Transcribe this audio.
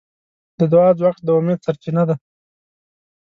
د دعا ځواک د امید سرچینه ده.